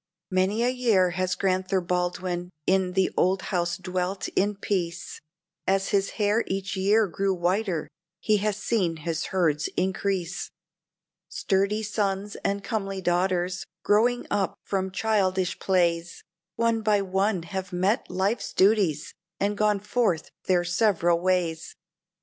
Many a year has Grand'ther Baldwin in the old house dwelt in peace, As his hair each year grew whiter, he has seen his herds increase. Sturdy sons and comely daughters, growing up from childish plays, One by one have met life's duties, and gone forth their several ways.